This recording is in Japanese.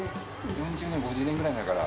４０年、５０年ぐらい前から。